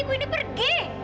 ibu ini pergi